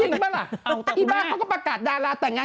ป่ะล่ะอีบ้าเขาก็ประกาศดาราแต่งงาน